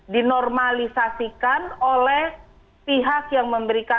dinormalisasikan oleh pihak yang memberikan